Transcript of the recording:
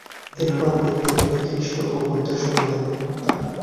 এরূপ ব্যক্তিগণই খ্রীষ্ট ও বুদ্ধ-সকলের নির্মাতা।